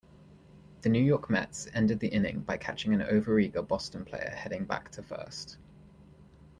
The New York Mets ended the inning by catching an overeager Boston player heading back to first.